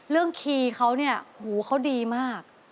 เรื่องคีย์เขาเนี่ยหูเขาดีมาก